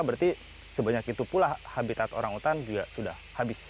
berarti sebanyak itu pula habitat orang hutan juga sudah habis